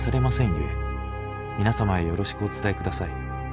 ゆえ皆様へよろしくお伝えください。